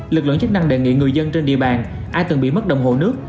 lực lượng chức năng đề nghị người dân trên địa bàn ai từng bị mất đồng hồ nước